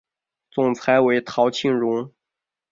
总裁为陶庆荣。